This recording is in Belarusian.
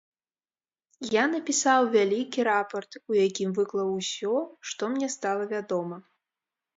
Я напісаў вялікі рапарт, у якім выклаў усё, што мне стала вядома.